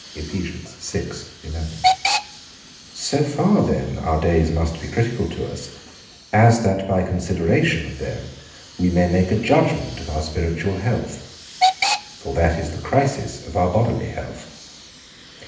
So far then our days must be critical to us, as that by consideration of them, we may make a judgment of our spiritual health, for that is the crisis of our bodily health.